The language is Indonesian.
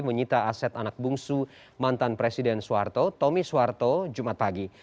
menyita aset anak bungsu mantan presiden soeharto tommy suwarto jumat pagi